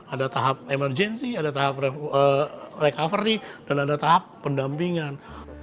ada tahap emergensi ada tahap recovery dan ada tahap pendampingan